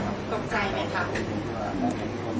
ตกใจไหมครับ